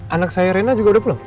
anak saya rena juga udah pulang